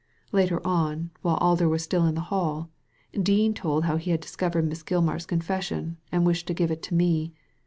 Later on, while Alder was still in the hall, Dean told how he had discovered Miss Gilmar's confession, and wished to give it to me.